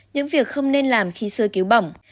những việc không nên làm khi sơ cứu bỏng